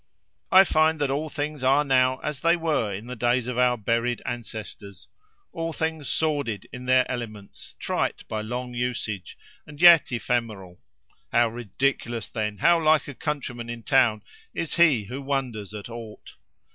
"I find that all things are now as they were in the days of our buried ancestors—all things sordid in their elements, trite by long usage, and yet ephemeral. How ridiculous, then, how like a countryman in town, is he, who wonders at aught.